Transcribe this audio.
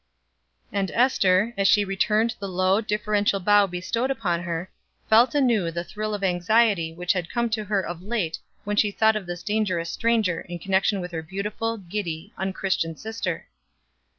And Ester, as she returned the low, deferential bow bestowed upon her, felt anew the thrill of anxiety which had come to her of late when she thought of this dangerous stranger in connection with her beautiful, giddy, unchristian sister.